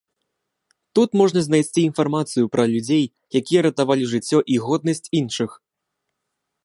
Тут можна знайсці інфармацыю пра людзей, якія ратавалі жыццё і годнасць іншых.